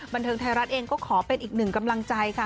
บันเทิงไทยรัฐเองก็ขอเป็นอีกหนึ่งกำลังใจค่ะ